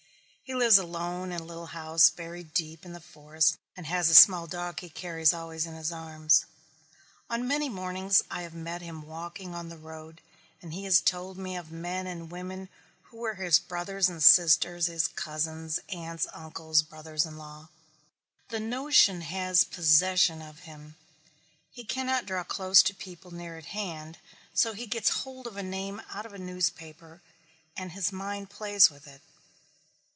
He lives alone in a little house buried deep in the forest and has a small dog he carries always in his arms. On many mornings I have met him walking on the road and he has told me of men and women who were his brothers and sisters, his cousins, aunts, uncles, brothers in law. The notion has possession of him. He cannot draw close to people near at hand so he gets hold of a name out of a newspaper and his mind plays with it.